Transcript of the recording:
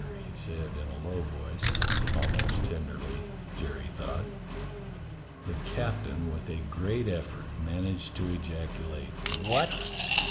he said in a low voice, almost tenderly, Jerry thought. The captain, with a great effort, managed to ejacu late, "What?"